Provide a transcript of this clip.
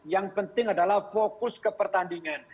yang penting adalah fokus ke pertandingan